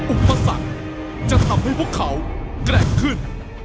อุปสรรคจะทำให้พวกเขาแกร่งขึ้น